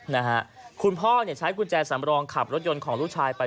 นะฮะคุณพ่อเนี่ยใช้กุญแจสำรองขับรถยนต์ของลูกชายไป